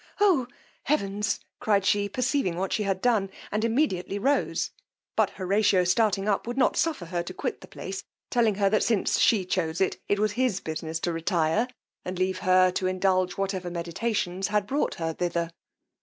Oh heaven! cried she, perceiving what she had done, and immediately rose; but Horatio starting up, would not suffer her to quit the place, telling her, that since she chose it, it was his business to retire, and leave her to indulge whatever meditations had brought her thither.